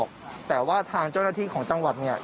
คนในเข้าออกแต่ว่าทางเจ้าหน้าที่ของจังหวัดเนี่ย